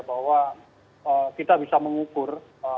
bahwa kita bisa mengukur